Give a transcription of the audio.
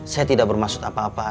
saya tidak bermaksud apa apa